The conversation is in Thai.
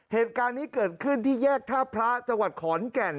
เหตุการณ์นี้เกิดขึ้นที่แยกท่าพระจังหวัดขอนแก่น